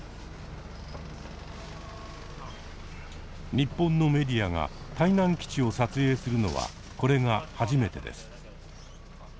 日本のメディアが台南基地を撮影するのはこれが初めてです。